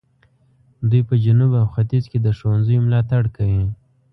دوی په جنوب او ختیځ کې د ښوونځیو ملاتړ کوي.